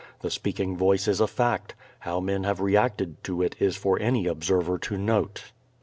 The speaking Voice is a fact. How men have reacted to it is for any observer to note.